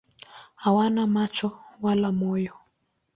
Hawana macho wala moyo.